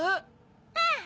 うん！